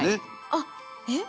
あっえっ？